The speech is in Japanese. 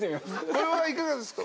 これはいかがですか？